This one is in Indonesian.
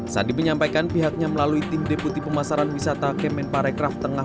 sandi menyampaikan pihaknya melalui tim deputi pemasaran wisata kemen parekraf tengah